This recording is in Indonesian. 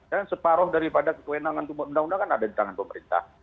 dan separoh daripada kekuenangan untuk membuat undang undang kan ada di tangan pemerintah